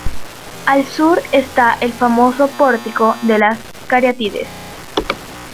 Al sur está el famoso pórtico de las Cariátides.